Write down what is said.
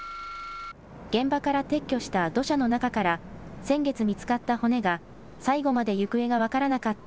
現場から撤去した土砂の中から、先月見つかった骨が、最後まで行方が分からなかった、